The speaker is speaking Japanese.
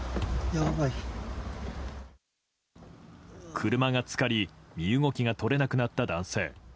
車が浸かり身動きが取れなくなった男性。